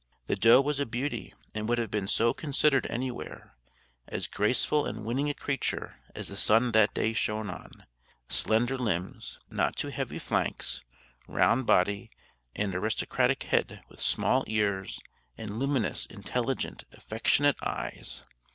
The doe was a beauty, and would have been so considered anywhere, as graceful and winning a creature as the sun that day shone on slender limbs, not too heavy flanks, round body, and aristocratic head, with small ears, and luminous, intelligent, affectionate eyes.